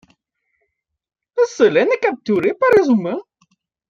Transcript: Selene est capturée par les humains.